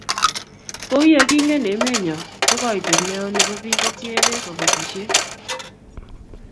Kouye kingen emenyo ko koitet neo nebo bik kotiegei kobotisiet